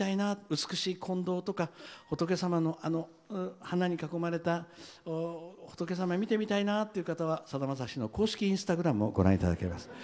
美しい金堂とか花に囲まれた仏様を見てみたいなという方はさだまさしの公式インスタグラムでご覧いただけます。